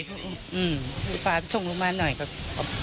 คือพาไปส่งโรงพยาบาลอย่างนี้